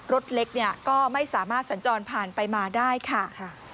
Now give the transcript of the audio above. รถเล็กเนี่ยก็ไม่สามารถสัญจรผ่านไปมาได้ค่ะ